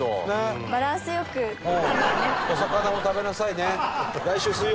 お魚も食べなさいね。